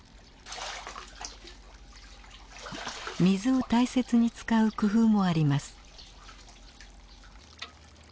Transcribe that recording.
水を大切に使う工夫もあります。